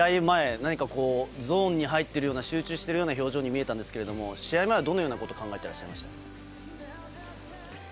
前何か、ゾーンに入ってるような集中しているような表情に見えたんですけど試合前はどのようなことを考えてらっしゃいました？